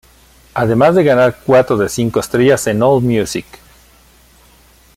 Además de ganar cuatro de cinco estrellas en All Music.